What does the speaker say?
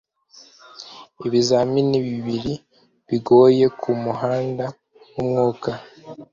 ibizamini bibiri bigoye kumuhanda wumwuka